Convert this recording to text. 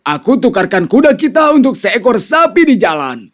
aku tukarkan kuda kita untuk seekor sapi di jalan